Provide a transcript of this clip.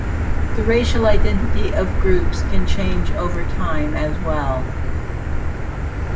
The racial identity of groups can change over time as well.